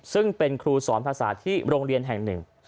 ซึ่งเป็นครูสอนภาษาที่โรงเรียนแห่งหนึ่ง